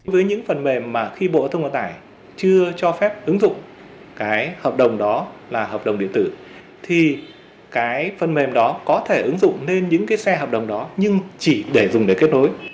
với những phần mềm mà khi bộ thông vận tải chưa cho phép ứng dụng cái hợp đồng đó là hợp đồng điện tử thì cái phần mềm đó có thể ứng dụng nên những cái xe hợp đồng đó nhưng chỉ để dùng để kết nối